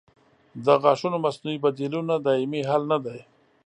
د غاښونو مصنوعي بدیلونه دایمي حل نه دی.